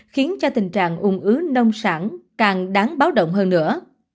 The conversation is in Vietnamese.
khiến cho tình trạng ung ứ nông sản càng đáng báo động hơn nữa